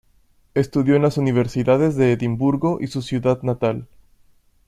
Estudió en las universidades de Edimburgo y su ciudad natal.